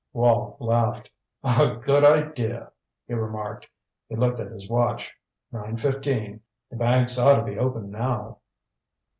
Wall laughed. "A good idea," he remarked. He looked at his watch. "Nine fifteen. The banks ought to be open now."